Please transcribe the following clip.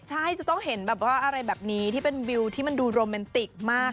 ใช่จะต้องเห็นแบบว่าอะไรแบบนี้ที่เป็นวิวที่มันดูโรแมนติกมาก